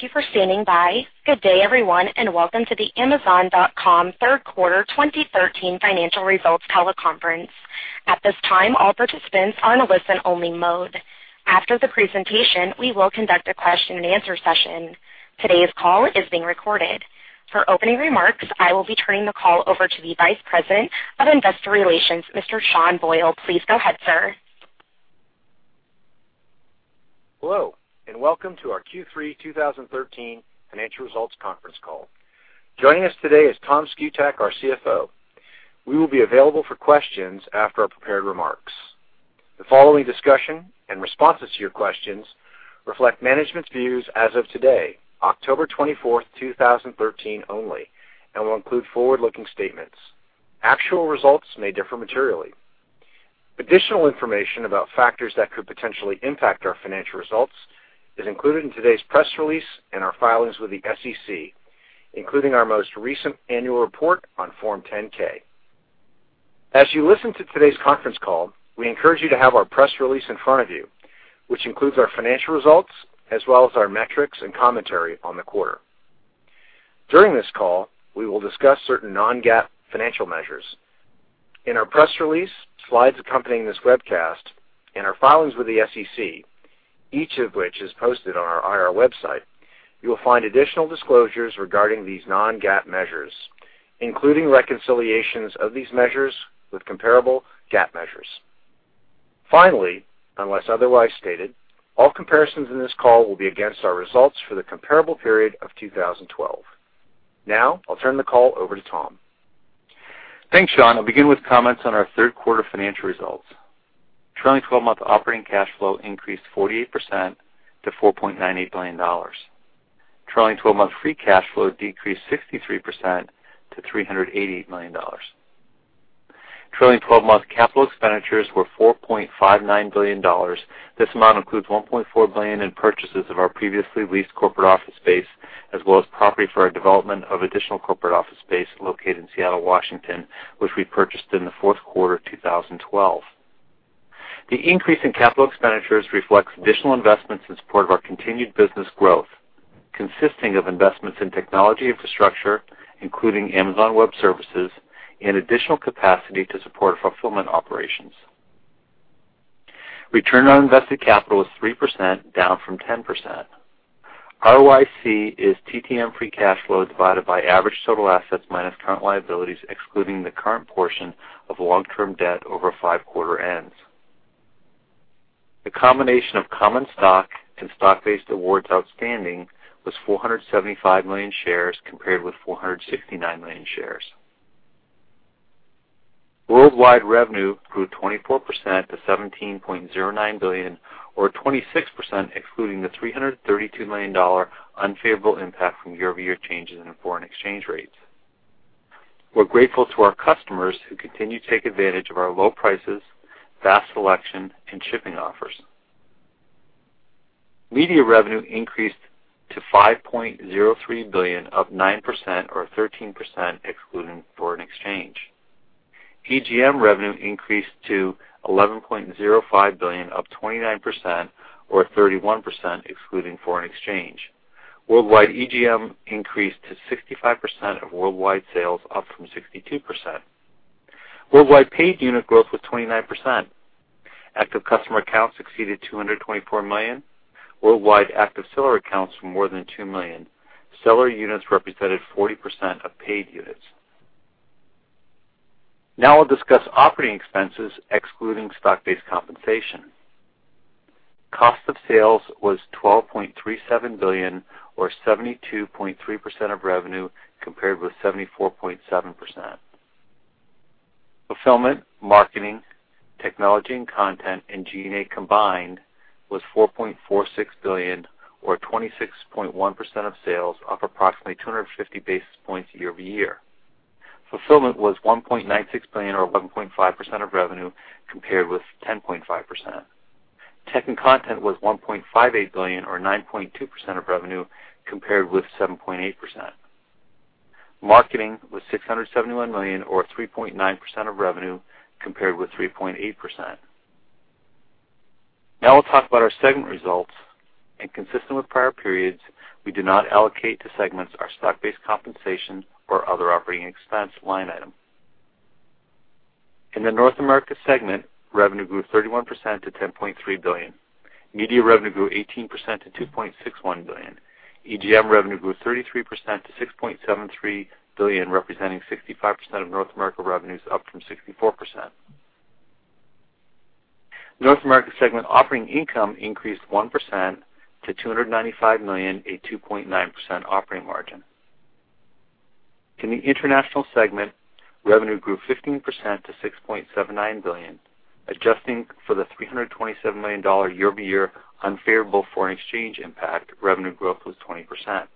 Thank you for standing by. Good day, everyone, and welcome to the Amazon.com third quarter 2013 financial results teleconference. At this time, all participants are on a listen-only mode. After the presentation, we will conduct a question and answer session. Today's call is being recorded. For opening remarks, I will be turning the call over to the Vice President of Investor Relations, Mr. Sean Boyle. Please go ahead, sir. Hello, welcome to our Q3 2013 financial results conference call. Joining us today is Tom Szkutak, our CFO. We will be available for questions after our prepared remarks. The following discussion and responses to your questions reflect management's views as of today, October 24th, 2013, only, and will include forward-looking statements. Actual results may differ materially. Additional information about factors that could potentially impact our financial results is included in today's press release and our filings with the SEC, including our most recent annual report on Form 10-K. As you listen to today's conference call, we encourage you to have our press release in front of you, which includes our financial results as well as our metrics and commentary on the quarter. During this call, we will discuss certain non-GAAP financial measures. In our press release, slides accompanying this webcast, our filings with the SEC, each of which is posted on our IR website, you will find additional disclosures regarding these non-GAAP measures, including reconciliations of these measures with comparable GAAP measures. Finally, unless otherwise stated, all comparisons in this call will be against our results for the comparable period of 2012. I'll turn the call over to Tom. Thanks, Sean. I'll begin with comments on our third quarter financial results. Trailing 12-month operating cash flow increased 48% to $4.98 billion. Trailing 12-month free cash flow decreased 63% to $388 million. Trailing 12-month capital expenditures were $4.59 billion. This amount includes $1.4 billion in purchases of our previously leased corporate office space, as well as property for our development of additional corporate office space located in Seattle, Washington, which we purchased in the fourth quarter of 2012. The increase in capital expenditures reflects additional investments in support of our continued business growth, consisting of investments in technology infrastructure, including Amazon Web Services and additional capacity to support fulfillment operations. Return on invested capital is 3%, down from 10%. ROIC is TTM free cash flow divided by average total assets minus current liabilities, excluding the current portion of long-term debt over five quarter ends. The combination of common stock and stock-based awards outstanding was 475 million shares compared with 469 million shares. Worldwide revenue grew 24% to $17.09 billion, or 26% excluding the $332 million unfavorable impact from year-over-year changes in foreign exchange rates. We're grateful to our customers who continue to take advantage of our low prices, vast selection, and shipping offers. Media revenue increased to $5.03 billion, up 9% or 13% excluding foreign exchange. EGM revenue increased to $11.05 billion, up 29% or 31% excluding foreign exchange. Worldwide EGM increased to 65% of worldwide sales, up from 62%. Worldwide paid unit growth was 29%. Active customer accounts exceeded 224 million. Worldwide active seller accounts were more than 2 million. Seller units represented 40% of paid units. Now I'll discuss operating expenses excluding stock-based compensation. Cost of sales was $12.37 billion or 72.3% of revenue, compared with 74.7%. Fulfillment, marketing, technology and content, and G&A combined was $4.46 billion or 26.1% of sales, up approximately 250 basis points year-over-year. Fulfillment was $1.96 billion or 11.5% of revenue, compared with 10.5%. Tech and content was $1.58 billion or 9.2% of revenue, compared with 7.8%. Marketing was $671 million or 3.9% of revenue, compared with 3.8%. Now I'll talk about our segment results, and consistent with prior periods, we do not allocate to segments our stock-based compensation or other operating expense line item. In the North America segment, revenue grew 31% to $10.3 billion. Media revenue grew 18% to $2.61 billion. EGM revenue grew 33% to $6.73 billion, representing 65% of North America revenues, up from 64%. North America segment operating income increased 1% to $295 million, a 2.9% operating margin. In the international segment, revenue grew 15% to $6.79 billion. Adjusting for the $327 million year-over-year unfavorable foreign exchange impact, revenue growth was 20%.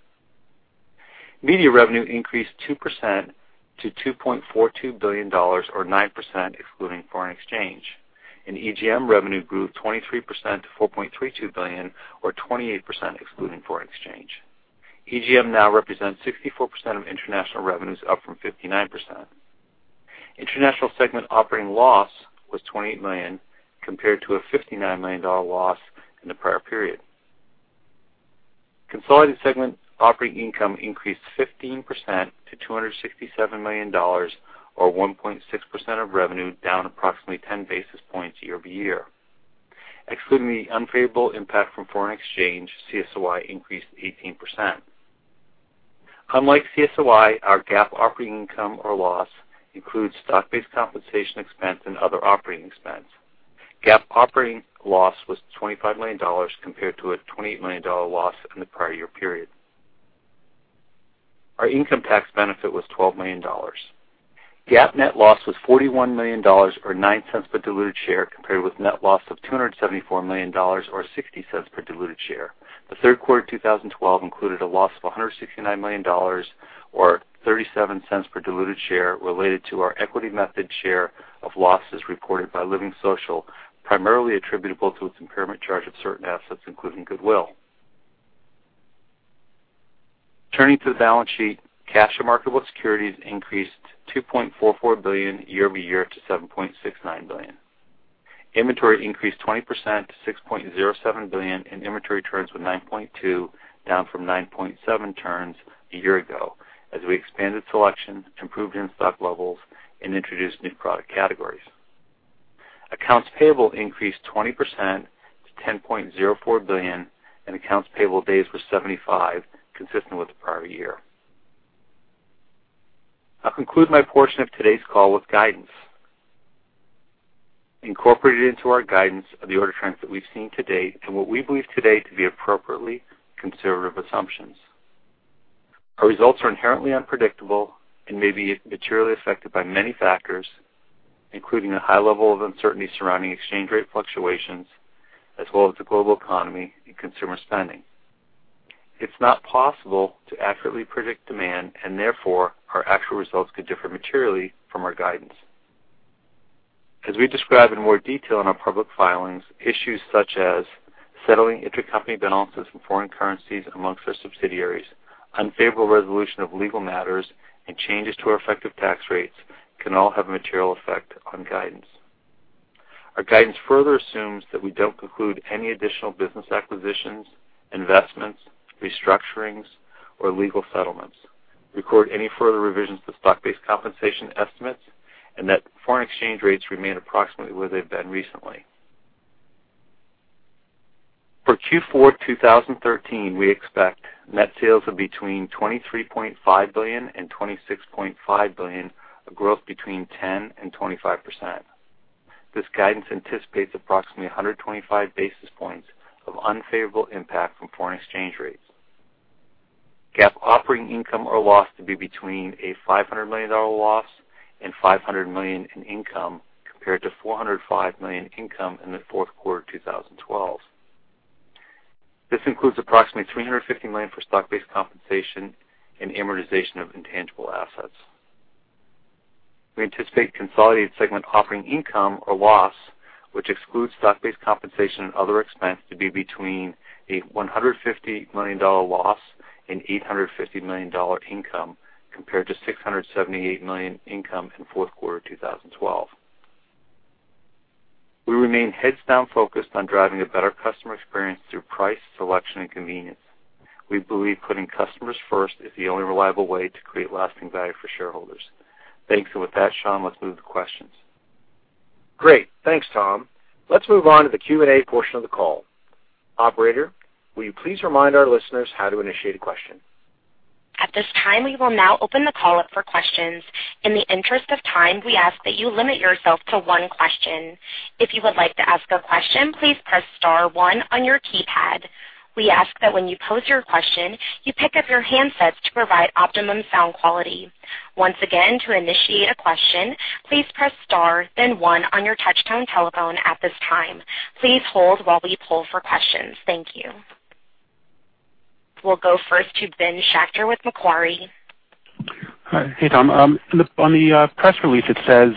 Media revenue increased 2% to $2.42 billion, or 9% excluding foreign exchange, and EGM revenue grew 23% to $4.32 billion, or 28% excluding foreign exchange. EGM now represents 64% of international revenues, up from 59%. International segment operating loss was $28 million compared to a $59 million loss in the prior period. Consolidated segment operating income increased 15% to $267 million or 1.6% of revenue, down approximately 10 basis points year-over-year. Excluding the unfavorable impact from foreign exchange, CSOI increased 18%. Unlike CSOI, our GAAP operating income or loss includes stock-based compensation expense and other operating expense. GAAP operating loss was $25 million compared to a $28 million loss in the prior year period. Our income tax benefit was $12 million. GAAP net loss was $41 million or $0.09 per diluted share compared with net loss of $274 million or $0.60 per diluted share. The third quarter 2012 included a loss of $169 million or $0.37 per diluted share related to our equity method share of losses reported by LivingSocial, primarily attributable to its impairment charge of certain assets, including goodwill. Turning to the balance sheet, cash and marketable securities increased to $2.44 billion year-over-year to $7.69 billion. Inventory increased 20% to $6.07 billion, and inventory turns were 9.2, down from 9.7 turns a year ago as we expanded selection, improved in-stock levels, and introduced new product categories. Accounts payable increased 20% to $10.04 billion, and accounts payable days were 75, consistent with the prior year. I'll conclude my portion of today's call with guidance. Incorporated into our guidance are the order trends that we've seen to date and what we believe today to be appropriately conservative assumptions. Our results are inherently unpredictable and may be materially affected by many factors, including a high level of uncertainty surrounding exchange rate fluctuations as well as the global economy and consumer spending. It's not possible to accurately predict demand, and therefore, our actual results could differ materially from our guidance. As we describe in more detail in our public filings, issues such as settling intercompany balances in foreign currencies amongst our subsidiaries, unfavorable resolution of legal matters, and changes to our effective tax rates can all have a material effect on guidance. Our guidance further assumes that we don't conclude any additional business acquisitions, investments, restructurings, or legal settlements, record any further revisions to stock-based compensation estimates, and that foreign exchange rates remain approximately where they've been recently. For Q4 2013, we expect net sales of between $23.5 billion and $26.5 billion, a growth between 10% and 25%. This guidance anticipates approximately 125 basis points of unfavorable impact from foreign exchange rates. GAAP operating income or loss to be between a $500 million loss and $500 million in income, compared to $405 million income in the fourth quarter of 2012. This includes approximately $350 million for stock-based compensation and amortization of intangible assets. We anticipate consolidated segment operating income or loss, which excludes stock-based compensation and other expense, to be between a $150 million loss and $850 million income, compared to $678 million income in fourth quarter 2012. We remain heads down focused on driving a better customer experience through price, selection, and convenience. We believe putting customers first is the only reliable way to create lasting value for shareholders. Thanks. With that, Sean, let's move to questions. Great. Thanks, Tom. Let's move on to the Q&A portion of the call. Operator, will you please remind our listeners how to initiate a question? At this time, we will now open the call up for questions. In the interest of time, we ask that you limit yourself to one question. If you would like to ask a question, please press star one on your keypad. We ask that when you pose your question, you pick up your handsets to provide optimum sound quality. Once again, to initiate a question, please press star then one on your touch-tone telephone at this time. Please hold while we poll for questions. Thank you. We'll go first to Ben Schachter with Macquarie. Hi. Hey, Tom. On the press release, it says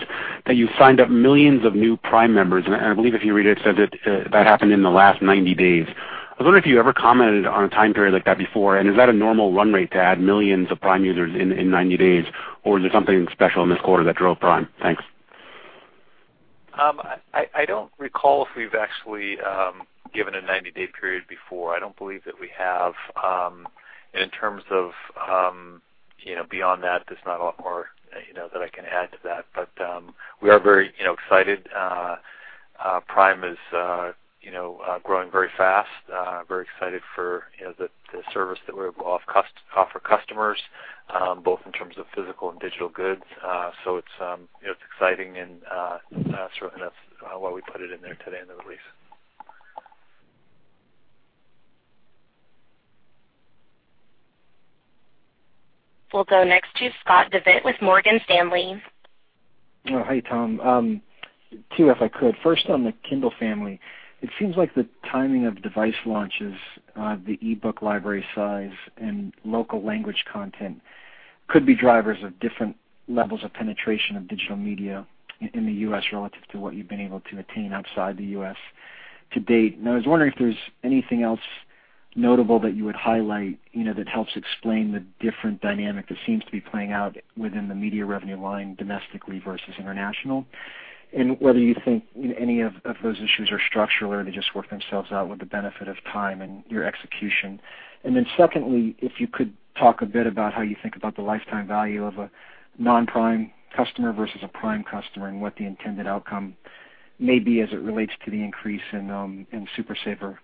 that you signed up millions of new Prime members. I believe if you read it says that happened in the last 90 days. I was wondering if you ever commented on a time period like that before. Is that a normal run rate to add millions of Prime users in 90 days, or is there something special in this quarter that drove Prime? Thanks. I don't recall if we've actually given a 90-day period before. I don't believe that we have. In terms of beyond that, there's not a lot more that I can add to that. We are very excited. Prime is growing very fast. Very excited for the service that we offer customers, both in terms of physical and digital goods. It's exciting, and that's why we put it in there today in the release. We'll go next to Scott Devitt with Morgan Stanley. Oh, hey, Tom. Two, if I could. First, on the Kindle family, it seems like the timing of device launches, the e-book library size, and local language content could be drivers of different levels of penetration of digital media in the U.S. relative to what you've been able to attain outside the U.S. to date. I was wondering if there's anything else notable that you would highlight that helps explain the different dynamic that seems to be playing out within the media revenue line domestically versus international? Whether you think any of those issues are structural or they just work themselves out with the benefit of time and your execution. Secondly, if you could talk a bit about how you think about the lifetime value of a non-Prime customer versus a Prime customer, and what the intended outcome may be as it relates to the increase in Super Saver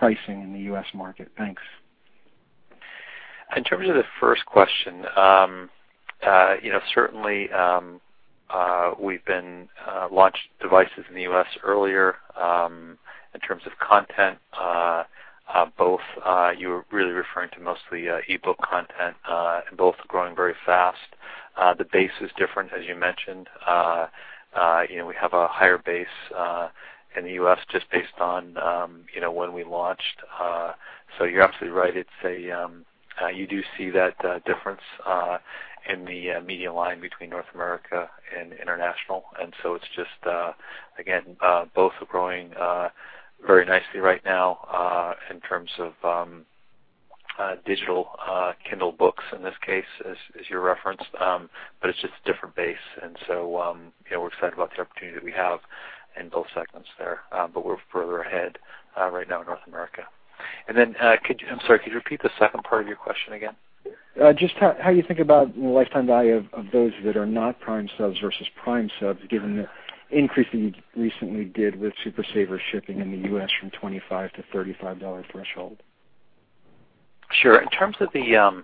pricing in the U.S. market. Thanks. In terms of the first question, certainly, we've been launched devices in the U.S. earlier, in terms of content, both, you're really referring to mostly e-book content, and both are growing very fast. The base is different, as you mentioned. We have a higher base in the U.S. just based on when we launched. You're absolutely right. You do see that difference in the media line between North America and international. It's just, again, both are growing very nicely right now, in terms of digital Kindle books in this case, as you referenced. It's just a different base. We're excited about the opportunity that we have in both segments there. We're further ahead right now in North America. I'm sorry, could you repeat the second part of your question again? Just how you think about the lifetime value of those that are not Prime subs versus Prime subs, given the increase that you recently did with Super Saver Shipping in the U.S. from $25 to $35 threshold. Sure. In terms of the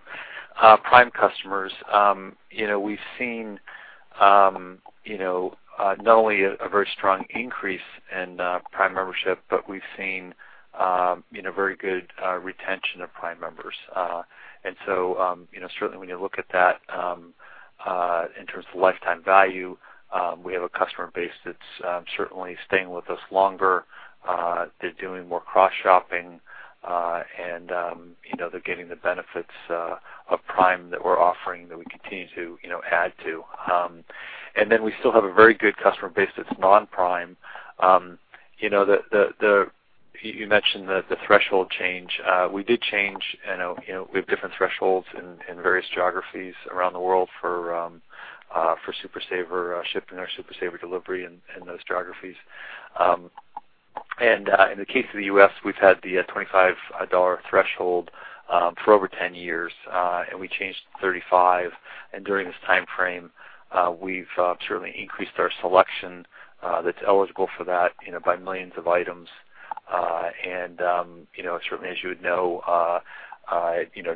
Prime customers, we've seen not only a very strong increase in Prime membership, but we've seen very good retention of Prime members. Certainly when you look at that in terms of lifetime value, we have a customer base that's certainly staying with us longer. They're doing more cross-shopping, and they're getting the benefits of Prime that we're offering, that we continue to add to. We still have a very good customer base that's non-Prime. You mentioned the threshold change. We did change, we have different thresholds in various geographies around the world for Super Saver shipping, our Super Saver delivery in those geographies. In the case of the U.S., we've had the $25 threshold for over 10 years, and we changed to 35. During this timeframe, we've certainly increased our selection that's eligible for that by millions of items. Certainly as you would know,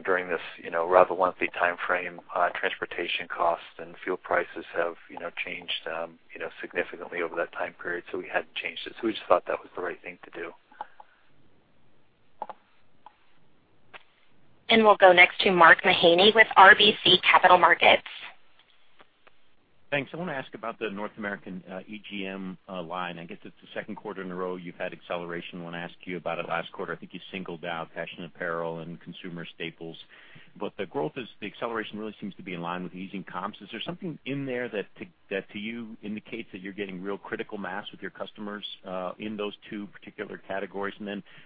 during this rather lengthy timeframe, transportation costs and fuel prices have changed significantly over that time period. We hadn't changed it, so we just thought that was the right thing to do. We'll go next to Mark Mahaney with RBC Capital Markets. Thanks. I want to ask about the North American EGM line. I guess it's the second quarter in a row you've had acceleration. When I asked you about it last quarter, I think you singled out fashion apparel and consumer staples. The growth, the acceleration really seems to be in line with easing comps. Is there something in there that to you indicates that you're getting real critical mass with your customers in those two particular categories?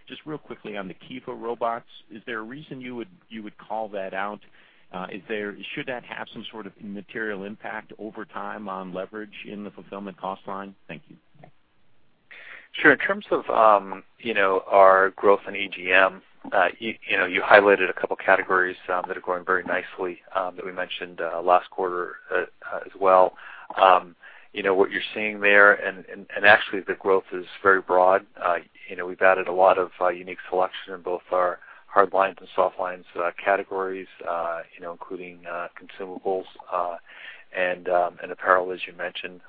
Just real quickly on the Kiva Robots, is there a reason you would call that out? Should that have some sort of material impact over time on leverage in the fulfillment cost line? Thank you. Sure. In terms of our growth in EGM, you highlighted a couple categories that are growing very nicely, that we mentioned last quarter as well. Actually, the growth is very broad. We've added a lot of unique selection in both our hardlines and softlines categories, including consumables and apparel, as you mentioned.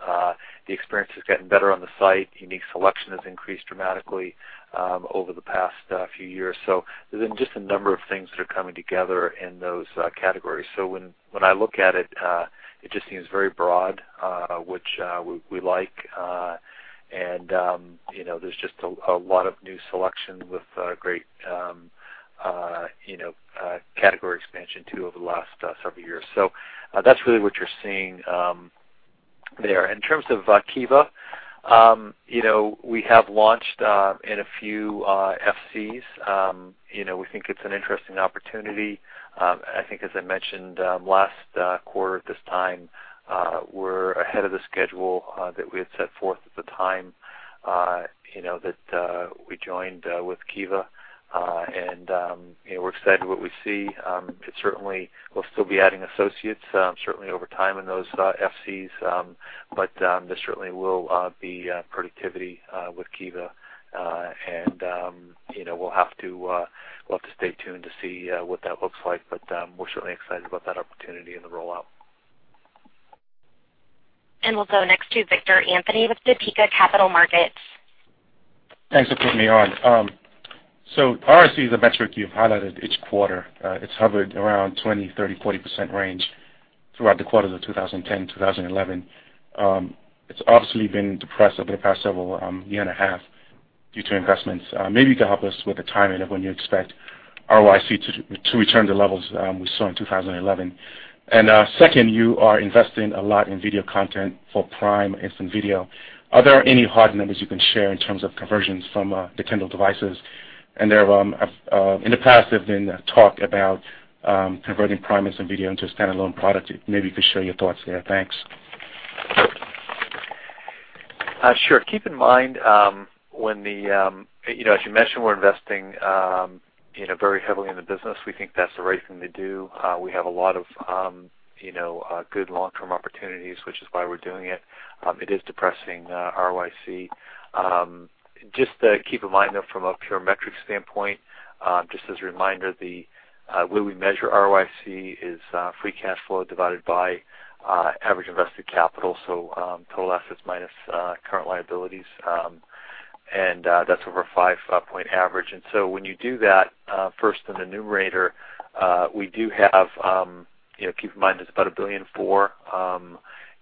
The experience is getting better on the site. Unique selection has increased dramatically over the past few years. There's been just a number of things that are coming together in those categories. When I look at it just seems very broad, which we like. There's just a lot of new selection with great category expansion too over the last several years. That's really what you're seeing there. In terms of Kiva, we have launched in a few FCs. We think it's an interesting opportunity. I think as I mentioned last quarter at this time, we're ahead of the schedule that we had set forth at the time that we joined with Kiva. We're excited with what we see. We'll still be adding associates, certainly over time in those FCs, but there certainly will be productivity with Kiva. We'll have to stay tuned to see what that looks like, but we're certainly excited about that opportunity and the rollout. We'll go next to Victor Anthony with Topeka Capital Markets. Thanks for putting me on. ROIC is a metric you've highlighted each quarter. It's hovered around 20%, 30%, 40% range throughout the quarters of 2010, 2011. It's obviously been depressed over the past several year and a half due to investments. Maybe you can help us with the timing of when you expect ROIC to return to levels we saw in 2011. Second, you are investing a lot in video content for Prime Instant Video. Are there any hard numbers you can share in terms of conversions from the Kindle devices? In the past, there's been talk about converting Prime Instant Video into a standalone product. Maybe you could share your thoughts there. Thanks. Sure. Keep in mind, as you mentioned, we're investing very heavily in the business. We think that's the right thing to do. We have a lot of good long-term opportunities, which is why we're doing it. It is depressing ROIC. Just keep in mind, though, from a pure metric standpoint, just as a reminder, the way we measure ROIC is free cash flow divided by average invested capital, so total assets minus current liabilities, and that's over a five-point average. When you do that, first in the numerator, we do have, keep in mind, it's about $1.4 billion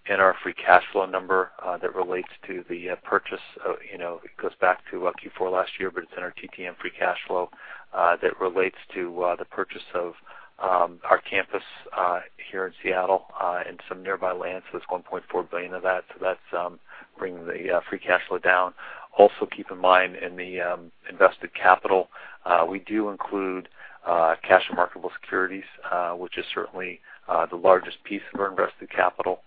in our free cash flow number that relates to the purchase. It goes back to Q4 last year, but it's in our TTM free cash flow that relates to the purchase of our campus here in Seattle and some nearby land, so that's $1.4 billion of that. That's bringing the free cash flow down. Also keep in mind, in the invested capital, we do include cash marketable securities, which is certainly the largest piece of our invested capital.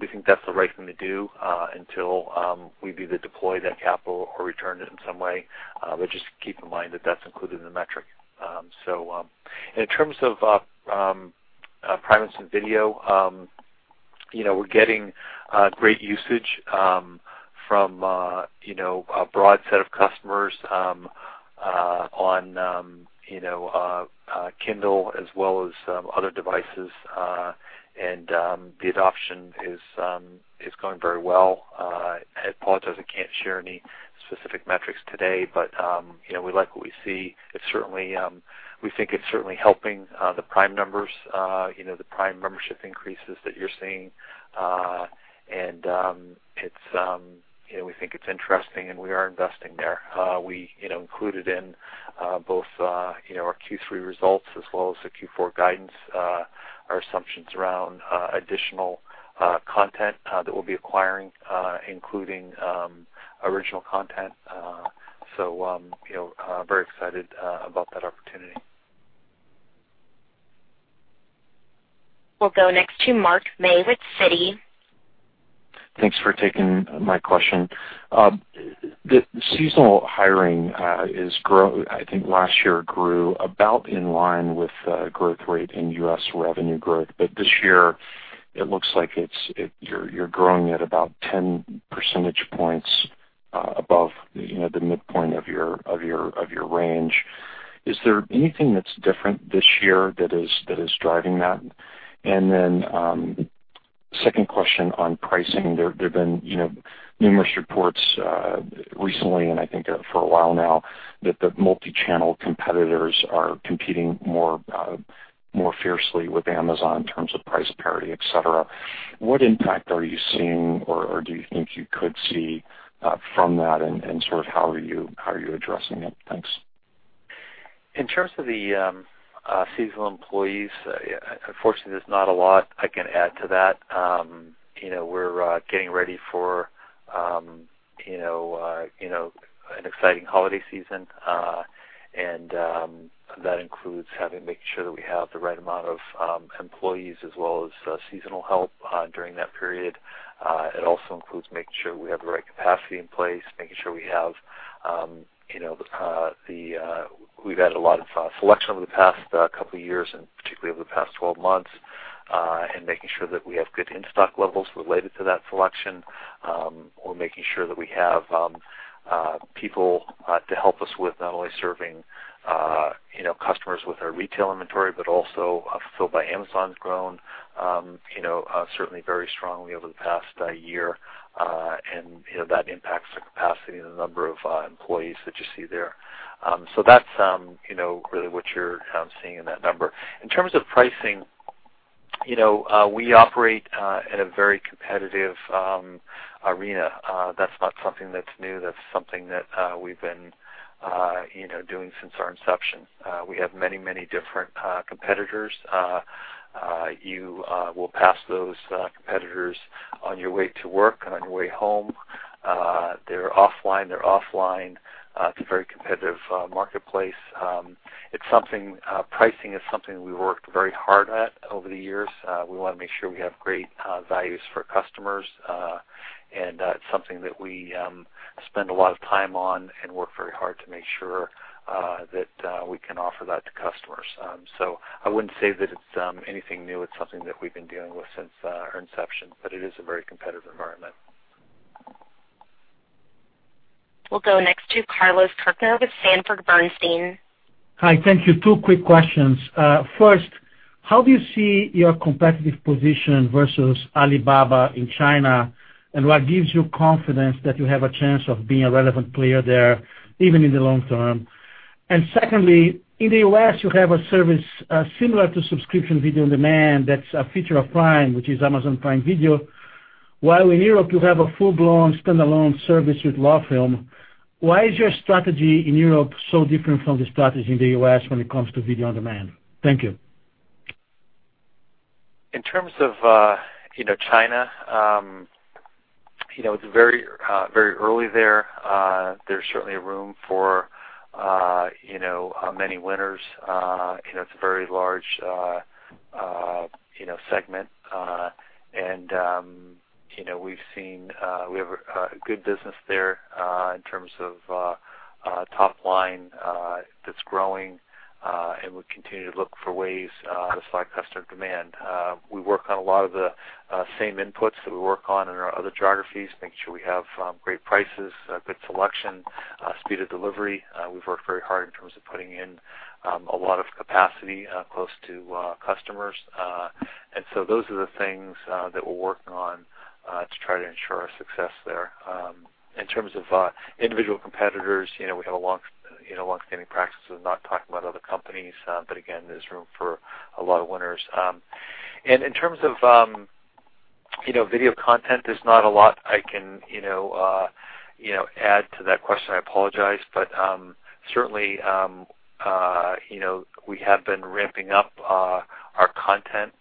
We think that's the right thing to do until we either deploy that capital or return it in some way. Just keep in mind that that's included in the metric. In terms of Prime Instant Video, we're getting great usage from a broad set of customers on Kindle as well as other devices, and the adoption is going very well. I apologize I can't share any specific metrics today, but we like what we see. We think it's certainly helping the Prime numbers, the Prime membership increases that you're seeing. We think it's interesting, and we are investing there. We included in both our Q3 results as well as the Q4 guidance, our assumptions around additional content that we'll be acquiring, including original content. Very excited about that opportunity. We'll go next to Mark May with Citi. Thanks for taking my question. The seasonal hiring, I think last year grew about in line with the growth rate in U.S. revenue growth. This year, it looks like you're growing at about 10 percentage points above the midpoint of your range. Is there anything that's different this year that is driving that? Second question on pricing. There have been numerous reports recently, and I think for a while now, that the multichannel competitors are competing more fiercely with Amazon in terms of price parity, et cetera. What impact are you seeing or do you think you could see from that and how are you addressing it? Thanks. In terms of the seasonal employees, unfortunately, there's not a lot I can add to that. We're getting ready for an exciting holiday season, and that includes making sure that we have the right amount of employees as well as seasonal help during that period. It also includes making sure we have the right capacity in place, making sure we have We've added a lot of selection over the past couple of years, and particularly over the past 12 months, and making sure that we have good in-stock levels related to that selection. We're making sure that we have people to help us with not only serving customers with our retail inventory, but also Fulfillment by Amazon's grown certainly very strongly over the past year, and that impacts the capacity and the number of employees that you see there. That's really what you're seeing in that number. In terms of pricing, we operate in a very competitive arena. That's not something that's new. That's something that we've been doing since our inception. We have many different competitors. You will pass those competitors on your way to work and on your way home. They're offline. It's a very competitive marketplace. Pricing is something we worked very hard at over the years. We want to make sure we have great values for customers, that's something that we spend a lot of time on and work very hard to make sure that we can offer that to customers. I wouldn't say that it's anything new. It's something that we've been dealing with since our inception, it is a very competitive environment. We'll go next to Carlos Kirjner with Sanford Bernstein. Hi, thank you. Two quick questions. First, how do you see your competitive position versus Alibaba in China, what gives you confidence that you have a chance of being a relevant player there, even in the long term? Secondly, in the U.S., you have a service similar to subscription video on demand that's a feature of Prime, which is Amazon Prime Video, while in Europe you have a full-blown standalone service with LoveFilm. Why is your strategy in Europe so different from the strategy in the U.S. when it comes to video on demand? Thank you. In terms of China, it's very early there. There's certainly room for many winners. It's a very large segment. We have a good business there in terms of top line that's growing, we continue to look for ways to flag customer demand. We work on a lot of the same inputs that we work on in our other geographies, making sure we have great prices, good selection, speed of delivery. We've worked very hard in terms of putting in a lot of capacity close to customers. Those are the things that we're working on to try to ensure our success there. In terms of individual competitors, we have a longstanding practice of not talking about other companies. Again, there's room for a lot of winners. In terms of video content, there's not a lot I can add to that question. I apologize. Certainly, we have been ramping up our content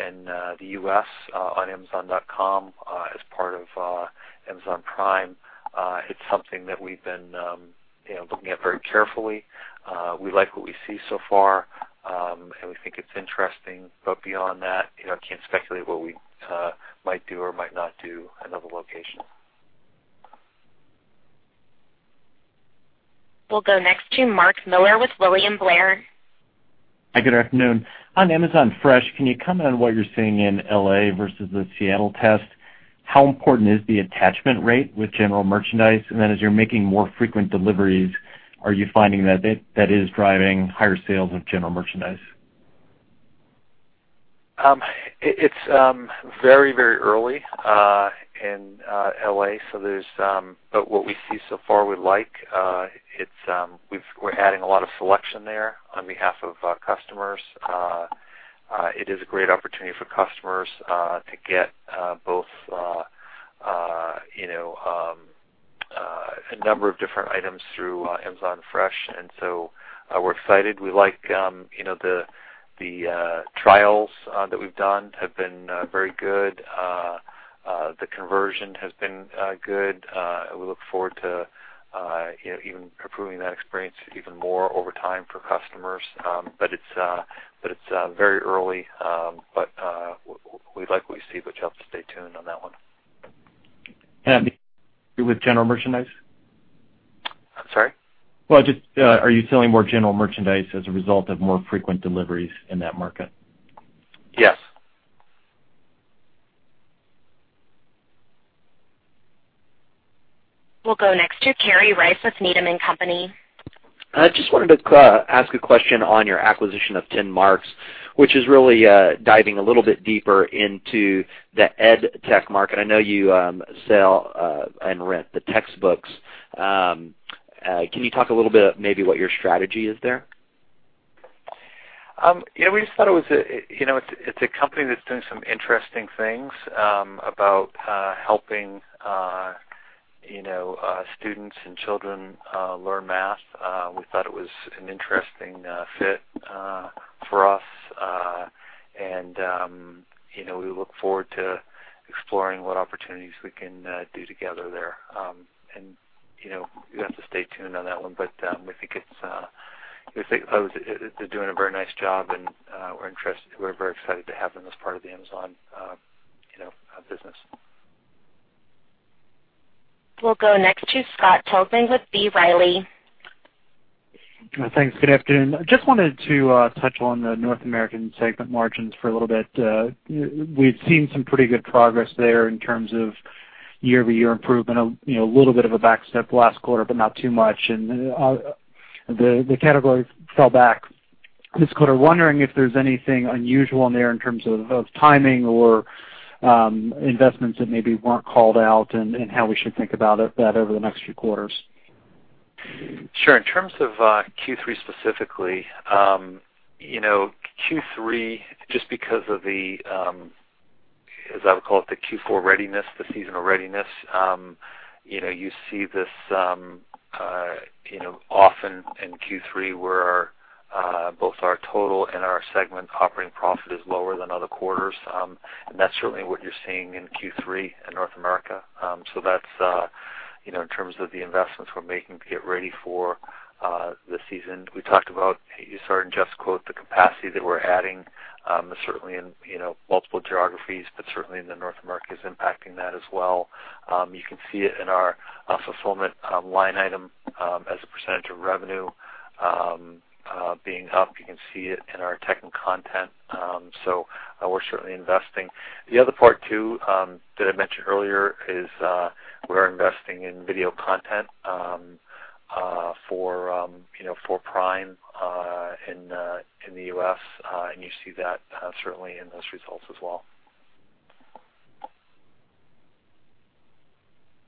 in the U.S. on Amazon.com as part of Amazon Prime. It's something that we've been looking at very carefully. We like what we see so far, and we think it's interesting. Beyond that, I can't speculate what we might do or might not do in other locations. We'll go next to Mark Miller with William Blair. Hi, good afternoon. On Amazon Fresh, can you comment on what you're seeing in L.A. versus the Seattle test? How important is the attachment rate with general merchandise? As you're making more frequent deliveries, are you finding that that is driving higher sales of general merchandise? It's very early in L.A., what we see so far, we like. We're adding a lot of selection there on behalf of customers. It is a great opportunity for customers to get both a number of different items through Amazon Fresh, we're excited. The trials that we've done have been very good. The conversion has been good. We look forward to even improving that experience even more over time for customers. It's very early, we like what we see. You'll have to stay tuned on that one. With general merchandise? I'm sorry? Well, are you selling more general merchandise as a result of more frequent deliveries in that market? Yes. We'll go next to Kerry Rice with Needham & Company. I just wanted to ask a question on your acquisition of TenMarks, which is really diving a little bit deeper into the ed tech market. I know you sell and rent the textbooks. Can you talk a little bit maybe what your strategy is there? We just thought it's a company that's doing some interesting things about helping students and children learn math. We thought it was an interesting fit for us, and we look forward to exploring what opportunities we can do together there. You'll have to stay tuned on that one, but we think they're doing a very nice job, and we're very excited to have them as part of the Amazon business. We'll go next to Scott Tobin with B. Riley. Thanks. Good afternoon. I just wanted to touch on the North American segment margins for a little bit. We've seen some pretty good progress there in terms of year-over-year improvement, a little bit of a backstep last quarter, but not too much. The categories fell back this quarter. Wondering if there's anything unusual in there in terms of timing or investments that maybe weren't called out and how we should think about that over the next few quarters? Sure. In terms of Q3 specifically, Q3, just because of the, as I would call it, the Q4 readiness, the seasonal readiness you see this often in Q3 where both our total and our segment operating profit is lower than other quarters. That's certainly what you're seeing in Q3 in North America. That's in terms of the investments we're making to get ready for the season. We talked about, you saw in Jeff's quote, the capacity that we're adding, certainly in multiple geographies, but certainly in North America is impacting that as well. You can see it in our fulfillment line item as a percentage of revenue being up. You can see it in our tech and content. We're certainly investing. The other part too, that I mentioned earlier is we're investing in video content for Prime in the U.S., and you see that certainly in those results as well.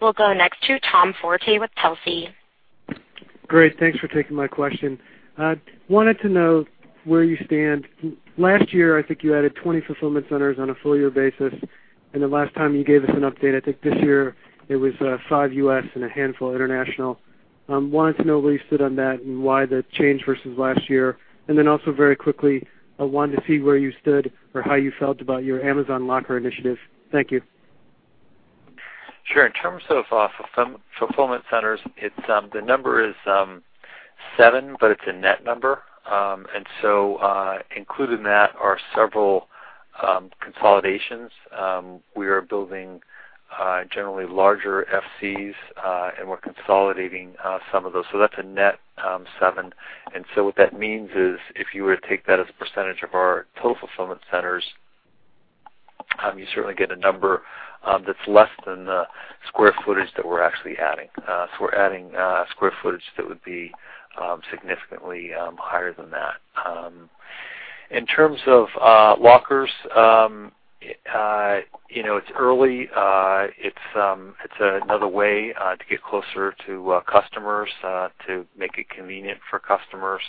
We'll go next to Tom Forte with Telsey. Great. Thanks for taking my question. Wanted to know where you stand. Last year, I think you added 20 fulfillment centers on a full-year basis, and the last time you gave us an update, I think this year it was five U.S. and a handful international. Wanted to know where you stood on that and why the change versus last year. Also very quickly, I wanted to see where you stood or how you felt about your Amazon Locker initiative. Thank you. Sure. In terms of fulfillment centers, the number is seven, but it's a net number. Included in that are several consolidations. We are building generally larger FCs, and we're consolidating some of those. That's a net seven. What that means is if you were to take that as a percentage of our total fulfillment centers, you certainly get a number that's less than the square footage that we're actually adding. We're adding square footage that would be significantly higher than that. In terms of lockers, it's early. It's another way to get closer to customers, to make it convenient for customers.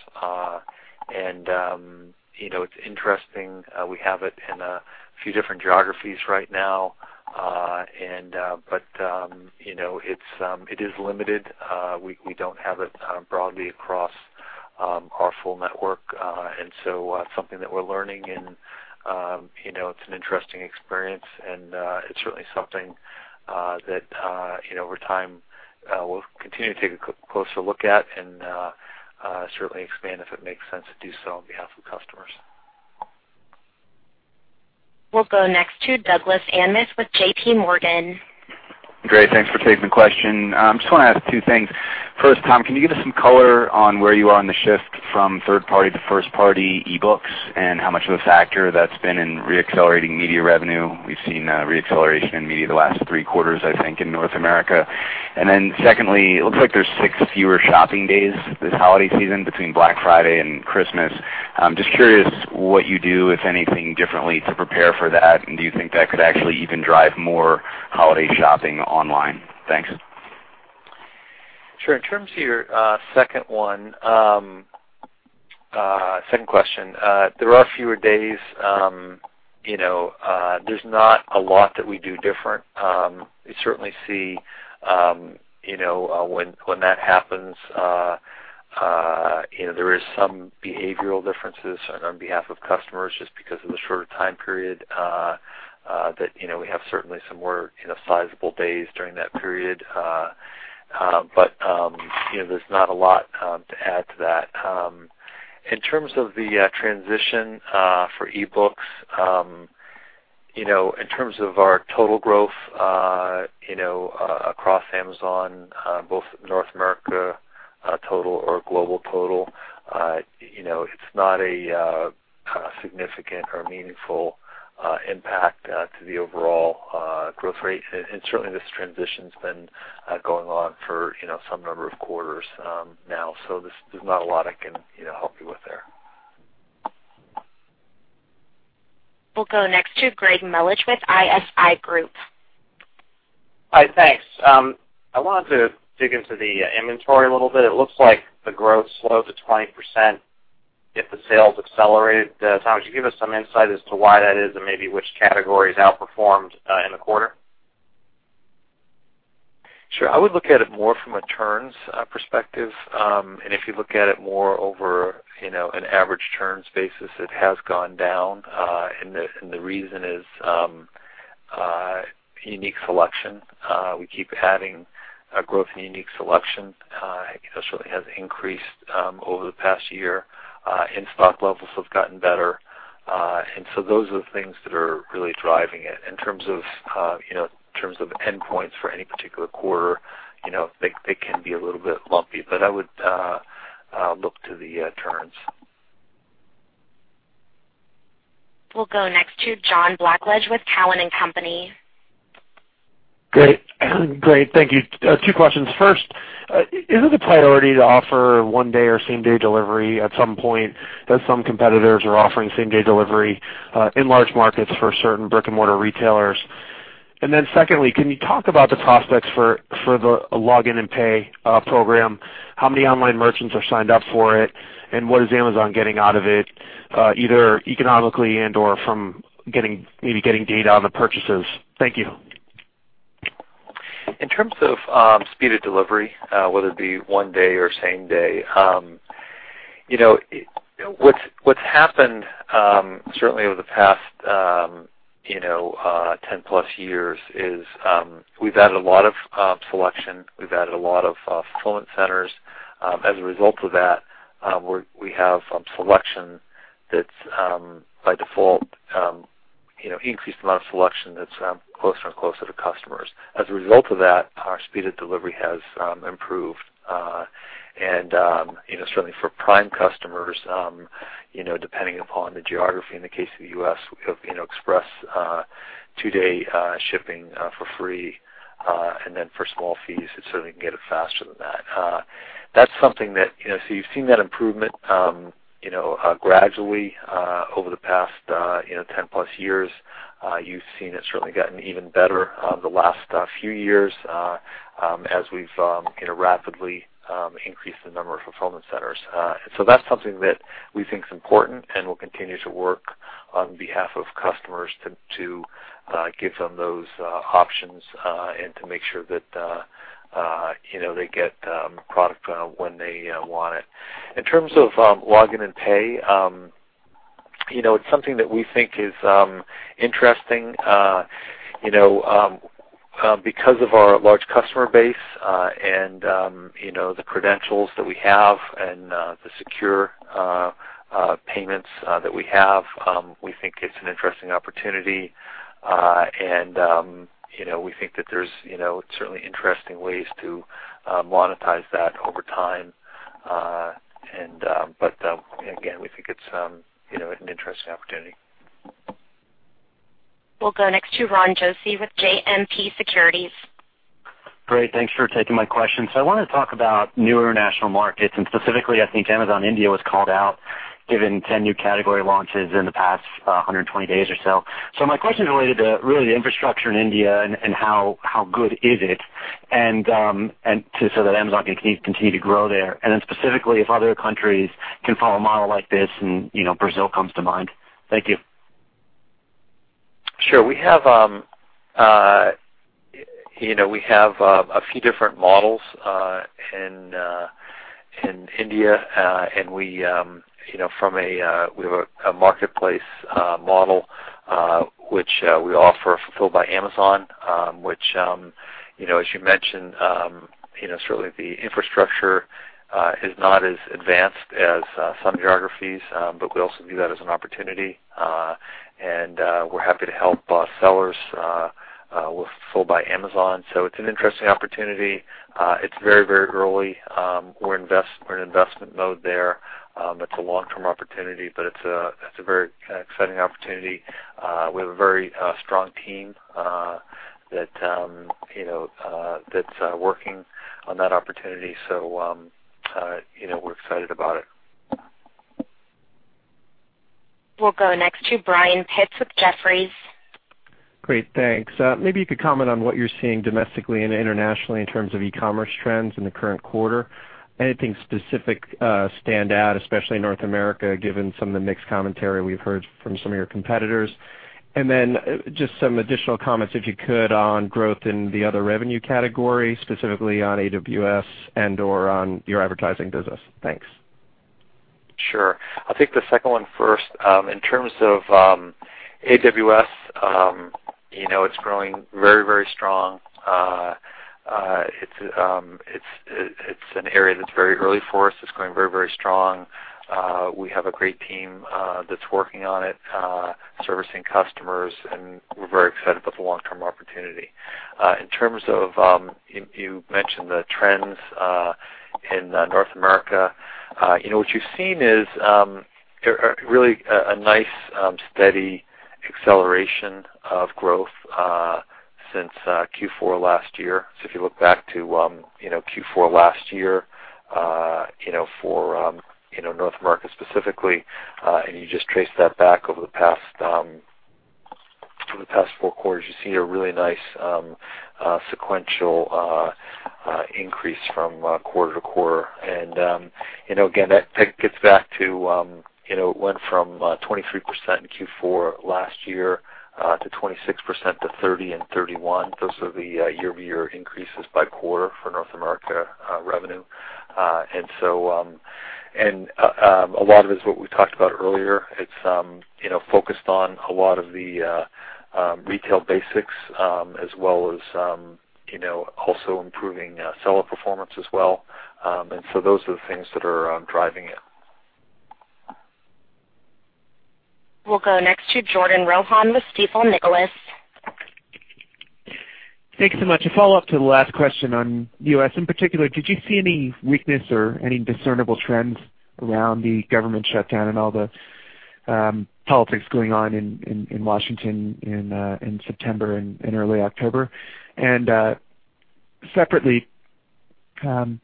It's interesting. We have it in a few different geographies right now, but it is limited. We don't have it broadly across our full network. Something that we're learning and it's an interesting experience and it's certainly something that, over time, we'll continue to take a closer look at and certainly expand if it makes sense to do so on behalf of customers. We'll go next to Doug Anmuth with J.P. Morgan. Great. Thanks for taking the question. I just want to ask two things. First, Tom, can you give us some color on where you are in the shift from third party to first party e-books and how much of a factor that's been in re-accelerating media revenue? We've seen re-acceleration in media the last three quarters, I think, in North America. Secondly, it looks like there's six fewer shopping days this holiday season between Black Friday and Christmas. Just curious what you do, if anything, differently to prepare for that, and do you think that could actually even drive more holiday shopping online? Thanks. Sure. In terms of your second question, there are fewer days. There's not a lot that we do different. We certainly see when that happens, there is some behavioral differences on behalf of customers just because of the shorter time period, that we have certainly some more sizable days during that period. There's not a lot to add to that. In terms of the transition for e-books, in terms of our total growth across Amazon, both North America total or global total, it's not a significant or meaningful impact to the overall growth rate. Certainly this transition's been going on for some number of quarters now. There's not a lot I can help you with there. We'll go next to Gregory Melich with ISI Group. Hi, thanks. I wanted to dig into the inventory a little bit. It looks like the growth slowed to 20% yet the sales accelerated. Tom, would you give us some insight as to why that is and maybe which categories outperformed in the quarter? Sure. I would look at it more from a turns perspective. If you look at it more over an average turns basis, it has gone down. The reason is unique selection. We keep adding growth in unique selection. It certainly has increased over the past year. In-stock levels have gotten better. So those are the things that are really driving it. In terms of endpoints for any particular quarter, they can be a little bit lumpy. I would look to the turns. We'll go next to John Blackledge with Cowen and Company. Great. Thank you. Two questions. First, is it a priority to offer one-day or same-day delivery at some point, as some competitors are offering same-day delivery in large markets for certain brick-and-mortar retailers? Secondly, can you talk about the prospects for the Login and Pay program? How many online merchants are signed up for it, and what is Amazon getting out of it, either economically and/or from maybe getting data on the purchases? Thank you. In terms of speed of delivery, whether it be one day or same day, what's happened certainly over the past 10 plus years is we've added a lot of selection. We've added a lot of fulfillment centers. As a result of that, we have increased amount of selection that's closer and closer to customers. As a result of that, our speed of delivery has improved. Certainly for Prime customers, depending upon the geography, in the case of the U.S., we have express two-day shipping for free, and then for small fees, they certainly can get it faster than that. You've seen that improvement gradually over the past 10 plus years. You've seen it's certainly gotten even better the last few years as we've rapidly increased the number of fulfillment centers. That's something that we think is important and we'll continue to work on behalf of customers to give them those options, and to make sure that they get product when they want it. In terms of Login and Pay, it's something that we think is interesting. Because of our large customer base, and the credentials that we have, and the secure payments that we have, we think it's an interesting opportunity. We think that there's certainly interesting ways to monetize that over time. Again, we think it's an interesting opportunity. We'll go next to Ron Josey with JMP Securities. Great. Thanks for taking my question. I want to talk about newer international markets, and specifically, I think Amazon India was called out, given 10 new category launches in the past 120 days or so. My question is related to really the infrastructure in India, and how good is it, and so that Amazon can continue to grow there, and then specifically, if other countries can follow a model like this, and Brazil comes to mind. Thank you. Sure. We have a few different models in India. We have a marketplace model, which we offer Fulfillment by Amazon, which as you mentioned, certainly the infrastructure is not as advanced as some geographies, but we also view that as an opportunity. We're happy to help sellers with Fulfillment by Amazon. It's an interesting opportunity. It's very early. We're in investment mode there. It's a long-term opportunity, but it's a very exciting opportunity. We have a very strong team that's working on that opportunity. We're excited about it. We'll go next to Brian Pitz with Jefferies. Great. Thanks. Maybe you could comment on what you're seeing domestically and internationally in terms of e-commerce trends in the current quarter. Anything specific stand out, especially in North America, given some of the mixed commentary we've heard from some of your competitors? Just some additional comments, if you could, on growth in the other revenue categories, specifically on AWS and/or on your advertising business. Thanks. I'll take the second one first. In terms of AWS, it's growing very strong. It's an area that's very early for us. It's growing very strong. We have a great team that's working on it, servicing customers, and we're very excited about the long-term opportunity. In terms of, you mentioned the trends in North America. What you've seen is really a nice, steady acceleration of growth since Q4 last year. If you look back to Q4 last year for North America specifically, and you just trace that back over the past four quarters, you see a really nice sequential increase from quarter to quarter. Again, that gets back to it went from 23% in Q4 last year to 26% to 30% and 31%. Those are the year-over-year increases by quarter for North America revenue. A lot of it is what we talked about earlier. It's focused on a lot of the retail basics, as well as also improving seller performance as well. Those are the things that are driving it. We'll go next to Jordan Rohan with Stifel Nicolaus. Thanks so much. A follow-up to the last question on U.S. in particular, did you see any weakness or any discernible trends around the government shutdown and all the politics going on in Washington in September and in early October? Separately, can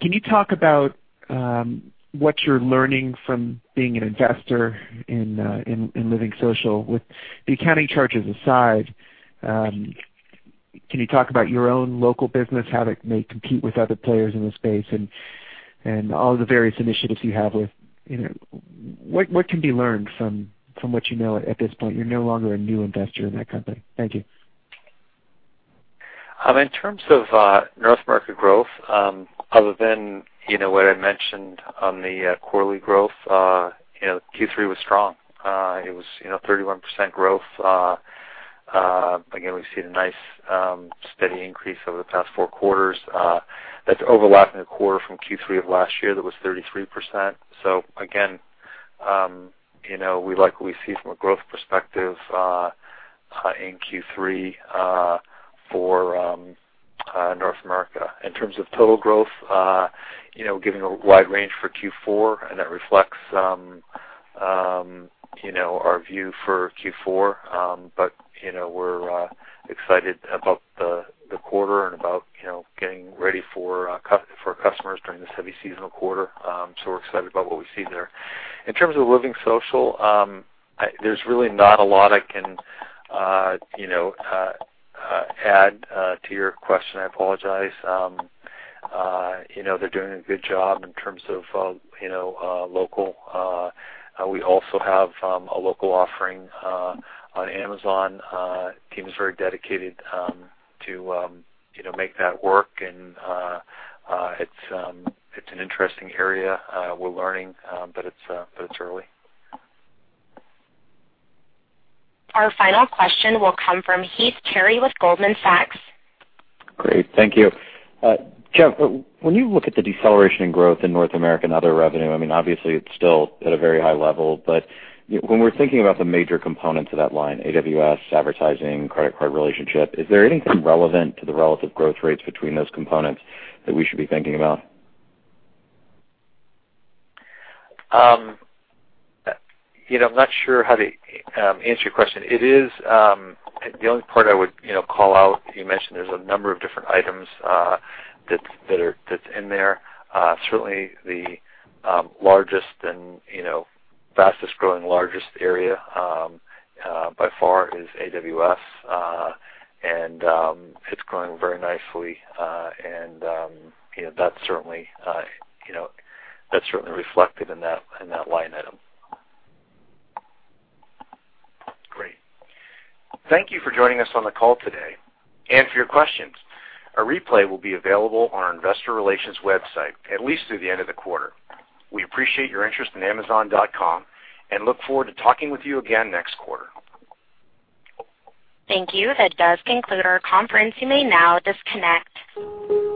you talk about what you're learning from being an investor in LivingSocial with the accounting charges aside, can you talk about your own local business, how they compete with other players in the space and all the various initiatives you have? What can be learned from what you know at this point? You're no longer a new investor in that company. Thank you. In terms of North America growth, other than what I mentioned on the quarterly growth, Q3 was strong. It was 31% growth. Again, we've seen a nice, steady increase over the past four quarters. That's overlapping a quarter from Q3 of last year that was 33%. Again, we like what we see from a growth perspective in Q3 for North America. In terms of total growth, giving a wide range for Q4, and that reflects our view for Q4, but we're excited about the quarter and about getting ready for our customers during this heavy seasonal quarter. We're excited about what we see there. In terms of LivingSocial, there's really not a lot I can add to your question, I apologize. They're doing a good job in terms of local. We also have a local offering on Amazon. Team is very dedicated to make that work, and it's an interesting area. We're learning, but it's early. Our final question will come from Heath Terry with Goldman Sachs. Great. Thank you. Jeff, when you look at the deceleration in growth in North American other revenue, obviously it's still at a very high level, but when we're thinking about the major components of that line, AWS, advertising, credit card relationship, is there anything relevant to the relative growth rates between those components that we should be thinking about? I'm not sure how to answer your question. The only part I would call out, you mentioned there's a number of different items that's in there. Certainly the fastest-growing, largest area by far is AWS, and it's growing very nicely. That's certainly reflected in that line item. Great. Thank you for joining us on the call today and for your questions. A replay will be available on our investor relations website at least through the end of the quarter. We appreciate your interest in Amazon.com and look forward to talking with you again next quarter. Thank you. That does conclude our conference. You may now disconnect.